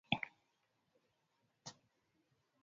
lakini mswada kama huo utahitaji theluthi mbili za kura